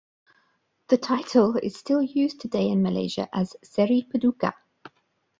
The title is still used today in Malaysia as "Seri Paduka".